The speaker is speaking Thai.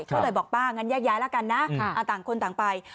เข้าใดบอกป้างั้นยากย้ายละกันนะอ่าต่างคนต่างไป